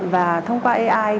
và thông qua ai